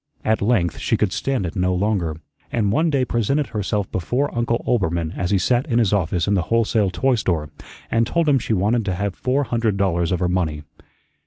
At length she could stand it no longer, and one day presented herself before Uncle Oelbermann as he sat in his office in the wholesale toy store, and told him she wanted to have four hundred dollars of her money.